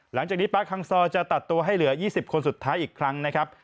หลังจากนี้ปาร์คคังซอจะตัดตัวให้เหลือ๒๐คนสุดท้ายอีกครั้งนะครับ